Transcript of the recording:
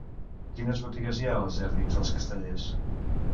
Quines botigues hi ha als jardins dels Castellers?